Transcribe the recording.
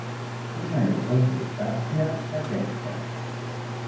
Quina és la importància d'aquesta?